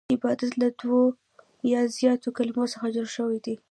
عبارت له دوو یا زیاتو کليمو څخه جوړ يي.